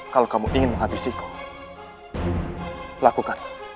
kalau kamu ingin menghabisiku lakukan